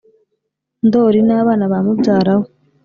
ndoli n’abana bamubyara we